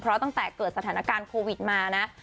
เพราะตั้งแต่เกิดสถานการณ์โควิดมานะ